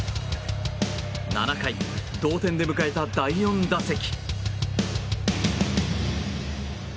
７回、同点で迎えた第４打席。